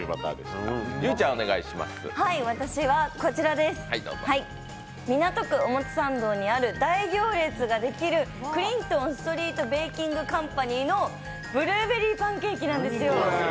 私はこちら、大行列になるクリントン・ストリート・ベイキング・カンパニーのブルーベリーパンケーキなんですよ。